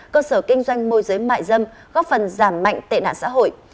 cơ sở kinh doanh môi giới mại dâm góp phần giảm mạnh tệ nạn xã hội